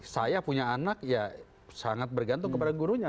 saya punya anak ya sangat bergantung kepada gurunya